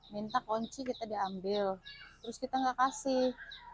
minta kunci kita diambil terus kita nggak kasih